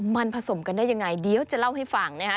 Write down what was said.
มันผสมกันได้ยังไงเดี๋ยวจะเล่าให้ฟังนะฮะ